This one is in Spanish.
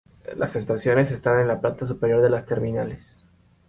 Las estaciones están en la planta superior de las terminales.